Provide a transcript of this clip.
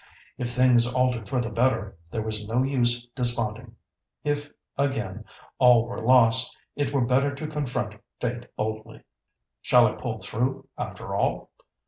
If things altered for the better, there was no use desponding. If, again, all were lost, it were better to confront fate boldly. "Shall I pull through, after all?"